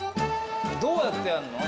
どうやってやんの？